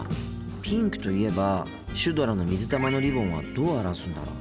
ピンクといえばシュドラの水玉のリボンはどう表すんだろう。